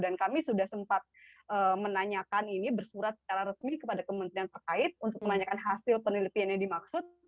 dan kami sudah sempat menanyakan ini bersurat secara resmi kepada kementerian perkait untuk menanyakan hasil penelitian yang dimaksud